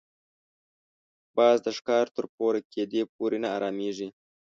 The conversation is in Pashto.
باز د ښکار تر پوره کېدو پورې نه اراميږي